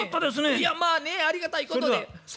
いやまあねありがたいことで。